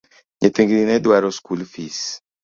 Nyithind gi ne dwaro skul fis.